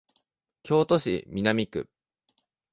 京都市南区